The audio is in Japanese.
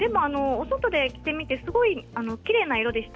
外で着てみてきれいな色でした。